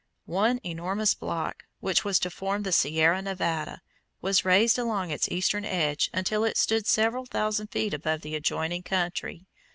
One enormous block, which was to form the Sierra Nevada, was raised along its eastern edge until it stood several thousand feet above the adjoining country.